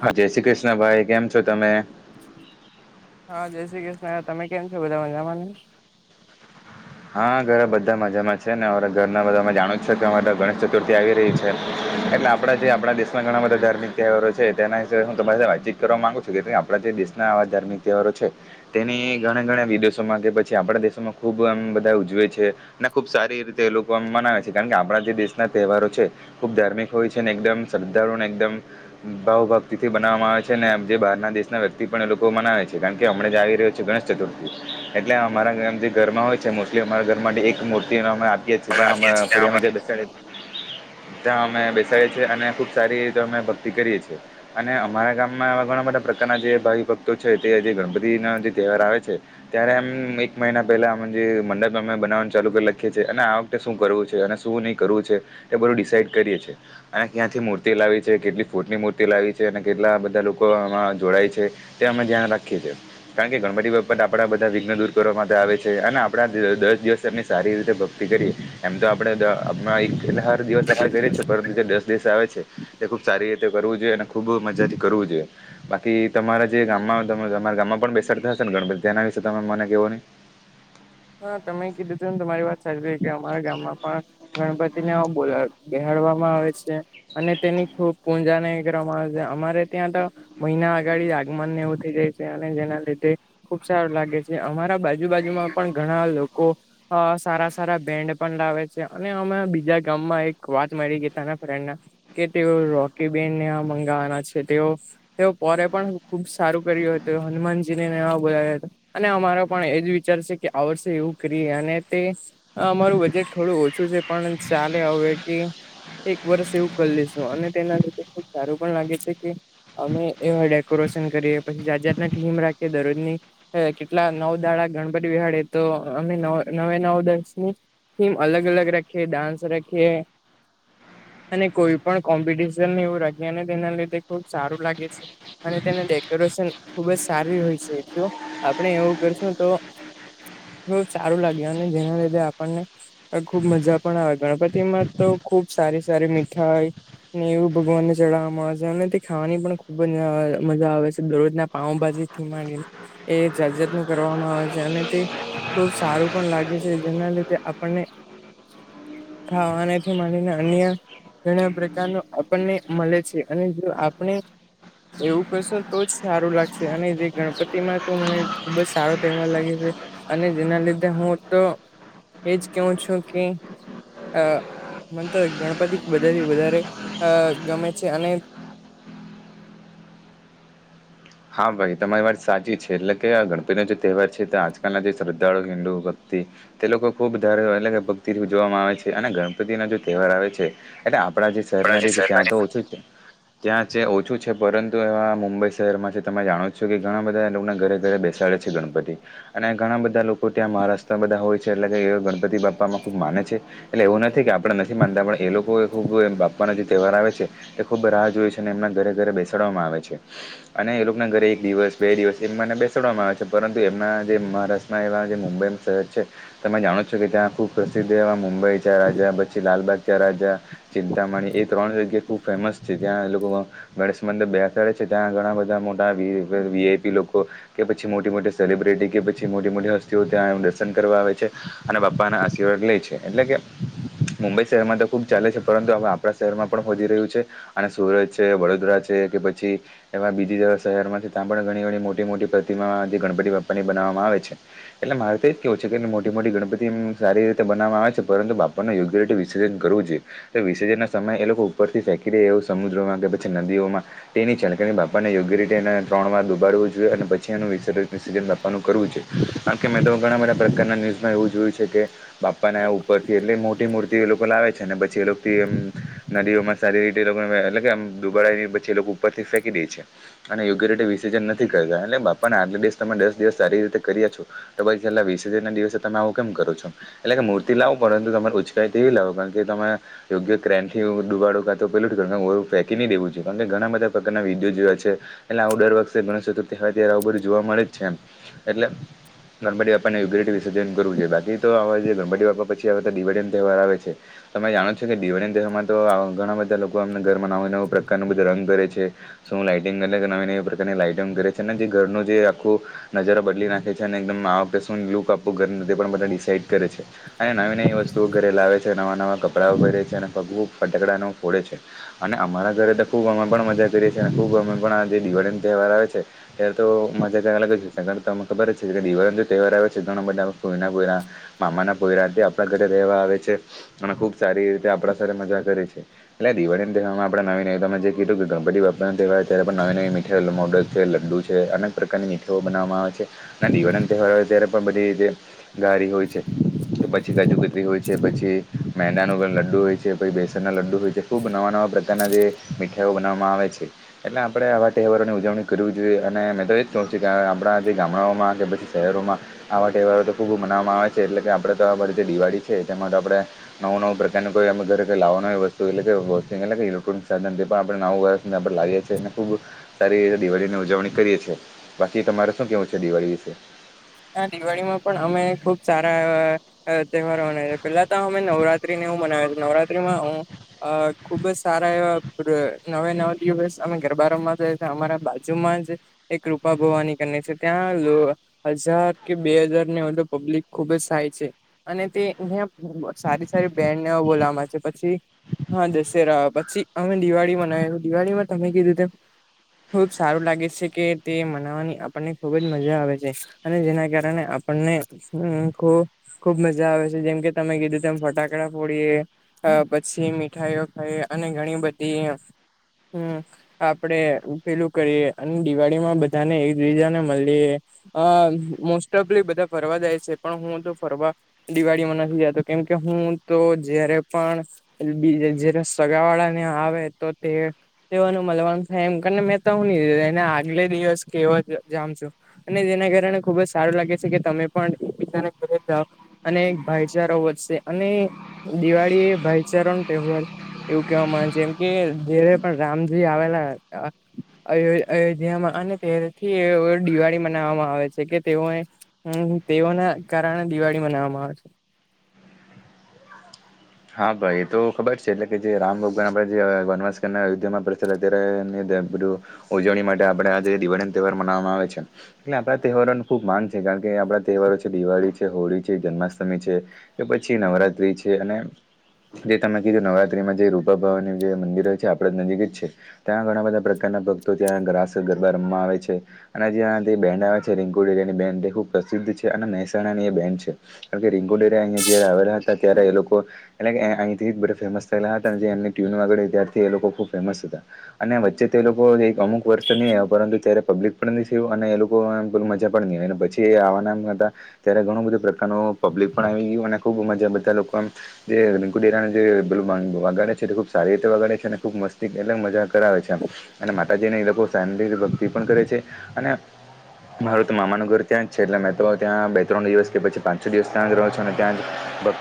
હા જય શ્રી કૃષ્ણ ભાઈ કેમ છો તમે. હા જય શ્રી કૃષ્ણ તમે કેમ છો બધા મજામાં. હા ઘરે બધા મજામાં છે ને અ ઘરના બધા અ જાણું જ છે કે ગણેશ ચતુર્થી આવી રહી છે એટલે આપણા જે આપણા દેશના ઘણા બધા ધાર્મિક તહેવારો છે તેના હિબે હું તમારી સાથે વાતચીત કરવા માગું છું કે આપણા જે દેશના આવા ધાર્મિક તવારો છે તેની ઘણા ઘણા વિદેશોમાં કે પછી આપણા દેશોમાં ખુબ આમ ઉજવે છે અને ખુબ સારી રીતે એ લોકો મનાવે છે કારણ કે આપણા જે દેશના તહેવારો છે. ખુબ ધાર્મિક હોય છે ને એકદમ શ્રદ્ધાળુ એકદમ ભાવુ ભક્તિથી બનાવવામાં આવે છે અને જે બહારના દેશના વ્યક્તિ પણ એ લોકો મનાવે છે કારણ કે હમણા જ આવી રહ્યો છે ગણેશ એટલે અમારામ જે ઘરમાં હોય છે મો. એ અમારા ઘર માટે એક મૂર્તિ અમે આપએ છીએ્યાં ફ ત્યાં અમે બેસએ છીએ અને ખુબ સારીીતે અમે ભક્તિ કરીએ છીએ. અને અમારા ગામમાંવા ઘણા બધા પ્રકારના જે ભાવિ ભક્તો છે તે જે ગણપતિનો જે તહેવાર આવે છે. ત્યારે આમ એક મહિના પેલા મંડપ. અમે બનાવનું ચાલુ કરી લખીએ છીએ અને આ વખતે શું કરવું છે અને શું નહીં કરવું છે. એ બધું ડિસાઈડ કરીએે છીએ. અને ક્યાંથી મૂર્તિ લાવી છે કેટલી ફૂટની મૂર્તિ લાવી છે અને કેટલા બધા લોકો આમાં જોડાય છે. તે અમે ધ્યાન રાખીએ છીએ કારણ કે ગણપતિ બાપત આપણા બધા વિઘ્ન દૂર કરવા માટે આવે છે અને આપણા. દસ દિવસ એમની સારી રીતે ભક્તિ કરીએ એમ તો આપડેાર દિવસ આપણે કરી છ ભતની જે દસ દિવસ આવે છે એ ખુબ સારી રીતે કરવું જોઈએ અને ખુબ મજાથી કરવું જોઈએ. બાકી તમારા જે ગામમાં તમારા ગામમાં પણ બેસાડતા હશે ને ગણપતિ તેના વિશે તમે મને કેહવો નહી. હા તમે કીધું તું ને તમારી વાત સારી રહી કે અમારા ગામમાં પણ. ગણપતિને બોલા બેહડવામાં આવે છે. અને તેની ખૂબ પૂંજા ન કરવામાં આવે છે અમારે ત્યાં તો. મહિના આગાડી આગમન ને એવું થઈ જાય છે અને જેના લીધે. ખુબ સારું લાગે છે અમારા બાજુ બાાજુમાં પણ ઘણા લોકો. અ સારા સારા બેન્ડ પણ લાવે છે અને અમે બીજા ગામમાં એક વાત મળી ગયા ત ફ્રેન્ડને કે તેઓ રોકી બેનને મંગાવવાના છે તેઓ. તે પોરે પણ ખુબ સારું કર્યું હતું હનુમાનજી ને એવા બોલાવ્યા હતા. અને અમારો પણ એજ વિચાર છે કે આ વર્ષે એવું કરીએ અને તે. અમારું બજેટ થોડું ઓછું છે પણ ચાલે હવે કે. એક વર્ષ એવું કરી લેશું અને તેના લીધ ખુબ સારું પણ લાગે છે કે. અમે એવાય ડેકોરેશન કરીએ પછી જાત જાતના ટીમ રાખીએ દરરોજની. હ કેટલા નવ દાડા ગણપતિ વિહાળે તો અમે ન નવે નવ દસની થીમ અલગ અલગ રખે ડાન્સ રાખીએ. અને કોઈ પણ કોમ્પિટિશન ને એવું ર્યા ને તેના લીધે ખબ સારું લાગે છે. અને તેનું ડેકોરેશન ખુબ જ સારી હોય છે જો આપણે એવું કરશું તો. બ સારું લાગ્યું અને જેના લીધે આપણને. ખુબ મજા પણ આવે ગણપતિ માં તો ખુબ સારી સારી મીઠાઈય. ને એવું ભગવાનને ચડાવવાવામાં આવે છે અને તે ખાવાની પણ ખુબ જ મજા આવે છે દરરોજ ના પાઉભાજી માં એ જાજત નું કરવામાં આવે છે અને. તે ખુબ સારું પણ લાગે છે જેના લીધે આપણને. ખાવાનેથી મળીને અન્ય ઘણા પ્રકારનું આપણને મળે છે અને જો આપણે એવું કશો તો જ સારું લાગશે અને જે ગણપતિમાં તો મને ખુબ જ સારો તહેવાર લાગે છે. અને જેના લીધે હું તો એજ કેવું છું કે. અ મન તો ગણપતિ બધાથી વધારે અ ગમે છે અને હા ભાઈ તમારી વાત સાચી છે એટલે કે ગણપતિનો જે તહેવાર છે તો આજકાલના જે શ્રદ્ધાળુ હિન્દુ ભક્તિ તે લોકો ખૂબ ધારે વાલે ને ભક્તિથી ઉજવામાં આવે છે અને ગણપતિ ના જે તહેવાર આવે છે. એટલે આપણા જે શહેરમાં જે છે ત્યાં તો ઓછું જ છે. ત્યાં છે ઓછું છે પરંતુ એવા મુંબઈ શહેરમાં છે. તમે જાણો છો કે ઘણા બધા લોકોના ઘરે ઘરે બેસાડે છે ગણપતિ અને ઘણા બધા લોકો ત્યાં મહારાષ્ટ્ર બધા હોય છે એટલે કે ગણપતિ બાપામાં ખુબ માને છે. એટલે એવું નથી કે આપણે નથી માનતા પણ એ લોકો ખુબ પણ જે તહેવાર આવે છે તે ખૂબ રાહ જોય છે અને એમના ઘરે ઘરે બેસાડવામાં આવે છે અને લોક આપના ઘરે એક દિવસ બે દિવસ એમ મને બેસાડવામાં આવે છે પરંતુ એમના જે મહારાષ્ટ્રમાં એવા જે મુંબઈ શહેર છે. તમે જાણો છો કે ત્યાં ખુબ પ્રસિદ્ધ એવા મુંબઈ ચા રાજા પછી લાલબાગ રાજા ચિંતામણી એ ત્રણ જગ્યા ખુબ ફેમસ છે ત્યાં એ લોકો ગણેશ મંડપ બેસાડે છે ત્યાં ઘણા બધા મોટા વી વીઆઈપી લોકો કે પછી મોટી મોટી સેલિબ્રિટી કે પછી મોટી મોટી હસ્તીઓ ત્યાં એ દર્શન કરવા આવે છે. અને બપ્પાના આશીર્વાદ લે છે એટલે કે. મુંબઈ શહેરમાં તો ખુબ ચાલે છે પરંતુ હવે આપણા શહેરમાં પણ હોદી રહ્યું છે. અને સુરત છે વડોદરા છે કે પછી એમાં બીજી શહેર માંથી તાબડ ઘણી ધણી મોટી મોટી પ્રતિમા આદી ગણપતિ બાપ્પાની બનાવવામાં આવે છે. એટલે મારે એજ કેવું છે કે મોટી મોટી ગણપતિ એ સારી રીતે બનાવામાં આવે છે પરંતુ બાપ યોગ્ય રીતે વિસર્જન કરવું જોઈએ તો વિસર્જનના સમયે એ લોકો ઉપરથી ફેંકી દે એવું સમુદ્રમાં કે પછી નદીઓમાં તેની ચલકણી બાપાને યોગ્ય રીતે તેને ત્રણ વાર દુબાડવું જોઈએ અને પછી એનું વિષૅરજન બિષરજન બાપ્પાનુ કરવું જોઈએ. કે મેં તો ઘણા બધા પ્રકારના ન્યૂઝમાં એવું જોયું છે કે બાપાના ઉપરથી એટલે મોટી મૂર્તિ એ લોકો લાવે છે. પછી એ લોકો થી એમ નદીઓ માં સારી રીતે એટલે કે એમ દુબાળ ની પછી એ લોકો ઉપર થી ફેંકી દે છે અને યોગ્ય રીતે વિસિજન નથી કરતા એટલે બાપાને આટલા દિવસ ત દસ દિવસ સારી રીતે કર્યા છો તો પછી છેલ્લા વિસજૅન ના દિવસે તમે આવું કેમ કરો છો. એટલે કે મૂર્તિ લાવ પરંતુ તમારે ઉચકાઈ તેવી લાવો કાકે તમે યોગ્ય ક્રેનથી ડુબાડો કા તો પેલું ફેકી ન દેવું જો છે કારણ કે ઘણા બધાકારના વિડીયો જોયા છે. એટલે આવું દર વખષે ગણેશ ચતુર્થી હવે ત્યારે આવું બધું જોવા મળે જ છે એમ એટલે ગણપતિ બાપા ને અગેવુ વિર્જન કરું છે બાકી તો આ ગણપતિ બાપા પછી આવે તો દિવાળી તહેવાર આવે છે. તમે જાણો છો કે દિવાળીના તેહારવામાં તો આવા ઘણા બધા લોકો એમને ઘરમાં નવું નવું પ્રકાર ન બધું રંગ ભરે છે. શું લાઇટિંગ કર નવી નવી પ્રકારની લાઈટિંગ કરે છે ને જે ઘરનું જે આખું નજારો બદલી નાખે છે અને એકદમ આ વખતે શું લુક આપવું ઘરને તે પણ બધા ડિસાઇડ કરે છે. અને નવી નવી વસ્તુઓ ઘરે લાવે છે નવા નવા કપડાંઓ ઘરે. જેને ભગવું ફટાકડાને ફોડે છે અને અમારા ઘરે તો ખૂબ અમે પણ મજા કરીએ છીએ અને ખૂબ અમે પણ જે દિવાળી ન તહેવાર આવે છે. ત્યારે તો મજા જ કાય અલગ જ છે તો તન ખબર જ છે દિવાળ તહેવાર આવે છે ઘણ બા ફોઈના કોઈના મામા ના પોઈરાથી આપણા ઘરે રહેવા આવે છે અને ખુબ સારી રીતે આપણા સાથે મજા કરે છે. એટલે દિવાળીને તેહવારમાં આપણે નવી નને જે કીધું કે ગણપતિ બાપા ત્યાવાર તરફ નવી નવી મીઠાઈ મોડલ છે લડ્ડુ છે અનેક પ્રકારની મીઠાઈઓ બનાવવામાં આવે છે. ના દીવા તહેવાર આવે છે ત્યારે પણ બધી રીતે ગારી હોય છે પછી કાજુ કતરી હોય છે. છે પછી મેદા નો વગર લડ્ડુ હોય છે પછી બેસનનાં લડ્ડુ હોય છે ખૂબ નવાં નવા પ્રકારના જે મીઠાઈઓ બનાવવામાં આવે છે. એટલે આપણે આવા તહેવારોની ઉજવણી કરવી જોઈએ અને મેં તો એ જ કહં છું કે આપણાં જે ગામડાઓમાં કે પછી શહેરોમાં આવા તહેવારો તો ખૂબ મનાવવામાં આવે છે એટલે કે આપડે તો રીતે દિવાળી છે તેમાં તો આપડે નવું નવું પ્રકારની કોઈ [unintelligible] લાવા ની હોય વસ્તુ એટલે કેં [unintelligible] ઇલેક્ટ્રોનિક સાધન પણ આપણે નું વર્ષ આપણે લાવીએ છીએ. ખુબ સારી રીતે દિવાળીની ઉજવણી કરીએ છીએ. બાકી તમારે શું કેવું છે દિવાળી વિશે? ના દિવાળીમાં પણ અમે ખુબ સારા અ તહેવારો મનાવીએ પેલા તો અમે નવરાત્રી ને એવું મનાવીએ નવરાત્રીમાં હું અ ખુબ જ સારા એવા [unintelligible] નવે નવ દિવસ અમે ગરબા રમવા જઈએ. [unintelligible] અમારા બાજુમાં જ એક રૂપા ભવાની કરીને છે. ત્યાં લો હજાર કે બે હજાર ને હવે તો પબ્લિક ખુબ જ થાય છે. અને તે [unintelligible] સારી સારી બેન્ડને એવું બોલામાં આવે છે. પછી હા દશેરા પછી અમે દિવાળી મનાવીએ દિવાળીમાં તમે કીધું તેમ ખુબ સારું લાગે છે કે તે મનાવાની આપણને ખુબ જ મજા આવે છે. અને જેના કારણે આપણને [unintelligible] ખુબ મજા આવે છે, જેમ કે તમે કીધું તેમ ફટાકડા ફોડીએ. અ પછી મીઠાઈઓ ખાઈ અને ઘણી બધી હું. આપડે પેલું કરીએ અને દિવાળીમાં બધાને એકબીજાને મલીએ. અ મોસ્ટ ઓફલી બધા ફરવા જાય છે. પણ હું તો ફરવા દિવાળીમાં નથી જાતો કેમ કે હું તો જ્યારે પણ એટલે બીજ જ્યારે સગાવાળા ને આવે તો તે તેઓને મલવાનું થાય એમ કરીને મેં તો [unintelligible] એને આગલે દિવસ કે એવો જ જાઉ છુ. અને જેના કારણે ખુબ જ સારું લાગે છે કે તમે પણ એકબીજાના ઘરે જાઓ. અને એક ભાઈચારા વધશે. અને દિવાળી એ ભાઈચારાનો તહેવાર એવું કેહવામા આવે છે જેમ કે જ્યારે પણ રામજી આવેલા હતા અયો અયોધ્યામાં અને ત્યારથી એઓ દિવાળી મના મનાવામાં આવે છે કે તેઓ તેઓના કારણે દિવાળી મનાવામાં આવે છે. હા ભાઈ એ તો ખબર છે એટલે કે જે રામ ભગવાન આપણે જે વનવાસ કરનાર અયોધ્યામાં પ્રચલત [unintelligible] બધું ઉજવણી માટે આપણે આજે દિવાળી ન તહેવાર મનાવામાં આવે છે. એટલે આપણા તહેવારોનો ખૂબ માન છે. કારણ કે આપણા તહેવારો છે દિવાળી છે, હોળી છે, જન્માષ્ટમી છે. કે પછી નવરાત્રી છે અને જે તમે કીધું નવરાત્રીમાં જે રૂપાભવાની જે મંદિર છે. આપણાથી નજીક જ છે. ત્યાં ઘણા બધા પ્રકારના ભક્તો ત્યાં રાસ ગરબા રમવા આવે છે. અને જ્યાં તે બેન્ડ આવે છે, રિંકુડી જેની બેડ એ ખુબ પ્રસિદ્ધ છે અને મહેસાણા ની એ બેન્ડ છે. કારણ કે રીંકુડી [unintelligible] ત્યારે એ લોકો એટલે કે અહીંથી જ બધા ફેમસ થયેલા હતા. અને જે એમને ટ્યુન વગાડી ત્યાર થી એ લોકો ખૂબ ફેમસ હતા. અને વચ્ચે તે લોકો કઈક અમુક વર્ષ તો નઇ આવ્યા. પરંતુ ત્યારે પબ્લિક પણ નઇ થયું અને એ લોક [unintelligible] પછી એ આવવના નતા. ત્યારે ઘણું બધું પ્રકારનું પબ્લિક પણ આવી ગયું અને ખુબ મજા બધા લોકો આમ જે રીંકુ દેરાનું જે પેલું વગાડે છે તે ખૂબ સારી રીતે વગાડે છે અને ખૂબ મસ્તી એટલે મજા કરાવે છે આમ. અને માતાજીની એ લોકો શાંતિથી ભક્તિ પણ કરે છે. અને મારું તો મામાનું ઘર ત્યાં જ છે એટલે મેં તો ત્યાં બે ત્રણ દિવસ કે પછી પાંચ છો દિવસ ત્યાં જ રહું છું. અને ત્યાં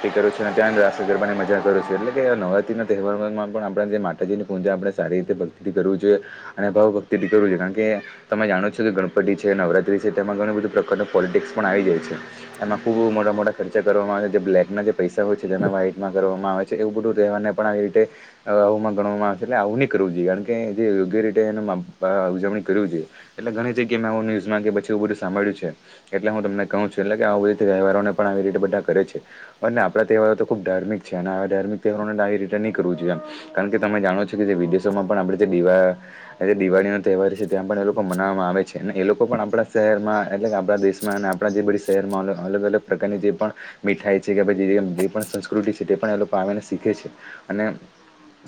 જ કરું છું અને ત્યાં જ [unintelligible] ગરબાની મજા કરું છું. એટલે કે નવરાત્રિના તહેવારમાં પણ આપણે જે માતાજીની પૂજા આપણે સારી રીતે ભક્તિથી કરવી જોઈએ. અને ભાવ ભક્તિથી કરવી જોઈએ, કારણ કે તમે જાણો છો કે ગણપતિ છે, નવરાત્રી છે તેમાં ઘણું બધું પ્રકારનું પોલિટિક્સ પણ આવી જાય છે. એમાં ખુબ મોટા મોટા ખર્ચા કરવામાં આવે છે. જે બ્લેક ના જે પૈસા હોય છે તેના વાઈટ માં કરવામાં આવે છે. એવું બધું તહેવારને પણ આવી રીતે આવમાં ગણવામાં આવેશે એટલે આવું ની કરવું જોઈએ. કારણ કે જે યોગ્ય રીતે એની ઉજવણી કરવી જોઈએ. એટલે ઘણી જગ્યા મે આવું ન્યુઝમાં કે પછી એવું બધું સાંભળ્યું છે. એટલે હું તમને કહઉ છું. એટલે કે આવી રીતે તહેવારોને પણ આવી રીતે બધા કરે છે. અને આપડા તહેવારો તો ખુબ ધાર્મિક છે અને આવા ધાર્મિક તહેવારોને તો આવી રીતે ની કરવું જોઈએ એમ. કારણ કે તમે જાણો છો કે જે વિદેશોમાં પણ આપડે જે દિવા એટલે દિવાળી નો તહેવાર છે ત્યાં પણ એ લોકો મનાવામાં આવે છે‌ અને એ લોકો પણ આપડા શહેરમાં એટલે આપડા દેશ ના ના ને આપડા જે બધી શહેરમાં અલગ અલગ પ્રકારની જે પણ મીઠાઈ છે કે પછી કે જે પણ સંસ્કૃ ત્રુતી છે તે પણ એ લોકો આવીને શીખે છે અને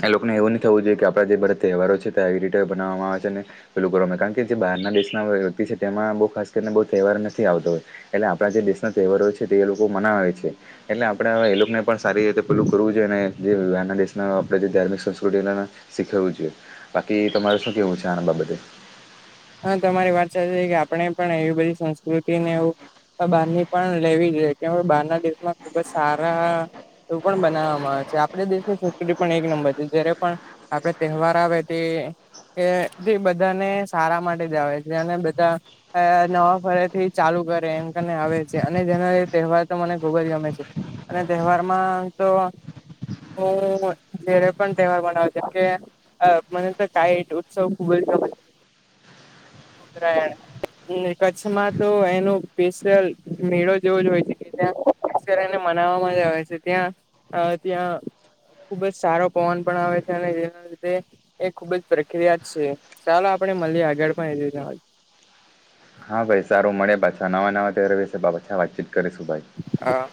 એ લોકોને એવું નહીં થવું જોઈએ કે આપડા જે બધા તહેવારો છે તે એવી રીતે બનાવવામાં આવે છે ને પેલું કર કારણ કે જે બહારના દેશના વ્યક્તિ છે તેમાં બહુ ખાસ કરીને બહ તહેવાર નથી આવતો એટલે આપડા જે દેશના તહેવારો છે તે એ લોકો મનાવે છે એટલે આપડા એ લોકોને પણ સારી રીતે પેલું કરવું જોઈએ અને જે નાના દેશના આપડે જે ધાર્મિક સંસ્કૃતિ શીખવું જોએ. બાકી તમારે શું કેવું છે આના બાબતે? હા, તમારી વાત સાચ છે કે આપડે પણ એવી બધી સંસ્કૃતિ ને એવું બહાર ની પણ લેવી જઈએ કે બારના દિવસમાં ખુબ જ સારા એવું પણ બનાવવામાં આવે છે આપડે દેશની સંસ્કૃતિ પણ એક નંબર છે જ્યારે પણ આપડે તહેવાર આવે તે એ ભી બધાને સારા માટે જ આવે છે અને બધા અહ નવા ફરે થી ચાલુ કરે એમ કરીને આવે છે અને જેનો તહેવાર તો મને ખૂબ જ ગમે છે. અને તહેવારમાં તો હું જ્યારે પણ તહેવાર બનાવ છ કે અહ મન તો કઈ ઉત્સવ ખૂબલ જ રેણ. ને કચ્છમાં તો એનો સ્પેશિયલ મેળો જેવો જ હોય છે કે ત્યાં ખાસ કરીને મનાવવામાં જ આવે છે ત્યાં અહ ત્યાં ખુબ જ સારો પવન પણ આવે છે અને જેના લીધે એ ખુબ જ પ્રક્રિયા જ છે. ચાલો આપે લિયે આગળ પણ લીલા હા ભાઈ સારું મળે પાછા નવા નવા ત વિશે પાછા વાતચીત કરીશું ભાઈ. હા.